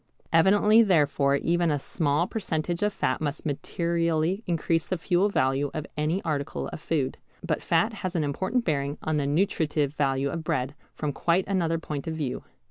Evidently therefore even a small percentage of fat must materially increase the fuel value of any article of food. But fat has an important bearing on the nutritive value of bread from quite another point of view.